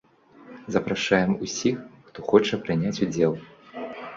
Запрашаем усіх, хто хоча прыняць удзел.